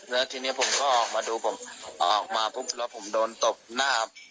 แล้วทีนี้ผมก็ออกมาดูผมออกมาพรุ่งเมื่อผมโดนตบหน้า